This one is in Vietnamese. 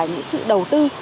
những sự đầu tư